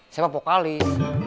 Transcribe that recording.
saya mah vokalis